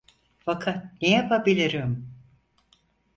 Fakat ne yapabilirim?